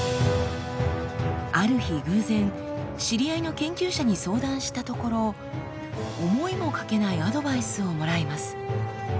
ある日偶然知り合いの研究者に相談したところ思いもかけないアドバイスをもらいます。